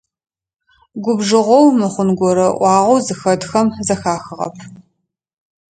Губжыгъэу, мыхъун горэ ыӏуагъэу зыхэтхэм зэхахыгъэп.